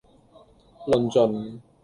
論盡